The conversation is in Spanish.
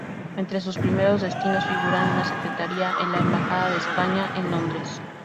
Entre sus primeros destinos figuran una secretaría en la embajada de España en Londres.